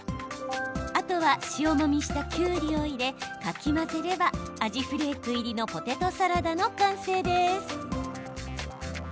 あとは塩もみしたきゅうりを入れかき混ぜればアジフレーク入りのポテトサラダの完成です。